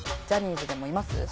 ジャニーズでもいます？